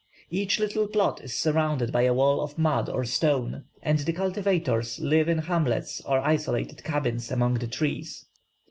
Each little plot is surrounded by a wall of mud or stone, and the cultivators live in hamlets or isolated cabins among the trees.